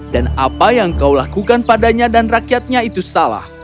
dan apa yang kau lakukan padanya dan rakyatnya itu salah